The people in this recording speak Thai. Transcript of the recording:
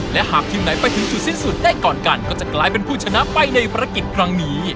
และหากทีมไหนไปถึงจุดสิ้นสุดได้ก่อนกันก็จะกลายเป็นผู้ชนะไปในภารกิจครั้งนี้